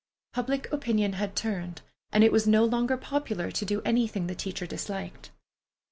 Public opinion had turned, and it was no longer popular to do anything the teacher disliked.